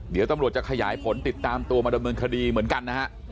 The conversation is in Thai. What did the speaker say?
เดี๋ยวตำรวจจะขยายผลติดตามตัวมาดำเนินคดีเหมือนกันนะฮะ